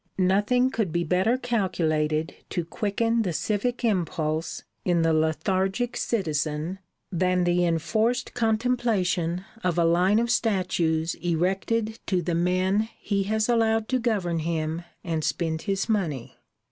Nothing could be better calculated to quicken the civic impulse in the lethargic citizen than the enforced contemplation of a line of statues erected to the men he has allowed to govern him and spend his money.